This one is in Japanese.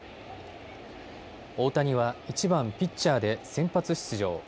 大谷は１番・ピッチャーで先発出場。